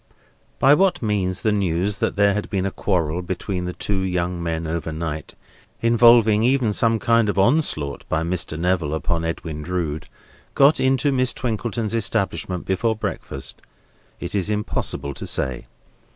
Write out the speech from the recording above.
By what means the news that there had been a quarrel between the two young men overnight, involving even some kind of onslaught by Mr. Neville upon Edwin Drood, got into Miss Twinkleton's establishment before breakfast, it is impossible to say.